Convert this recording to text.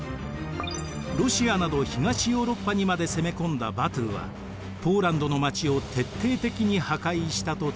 ロシアなど東ヨーロッパにまで攻め込んだバトゥはポーランドの町を徹底的に破壊したと伝えられています。